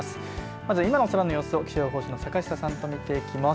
まず、今の空の様子を気象予報士の坂下さんと見ていきます。